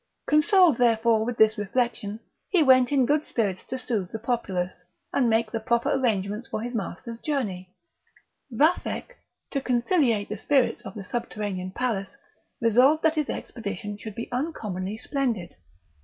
Consoled, therefore, with this reflection, he went in good spirits to soothe the populace, and make the proper arrangements for his master's journey. Vathek, to conciliate the Spirits of the subterranean palace, resolved that his expedition should be uncommonly splendid.